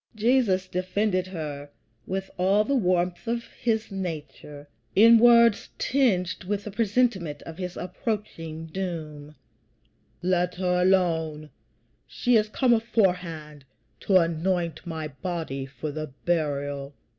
Jesus defended her with all the warmth of his nature, in words tinged with the presentiment of his approaching doom: "Let her alone; she is come aforehand to anoint my body for the burial."